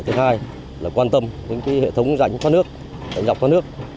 thứ hai là quan tâm đến hệ thống rãnh thoát nước rãnh dọc thoát nước